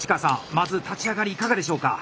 まず立ち上がりいかがでしょうか？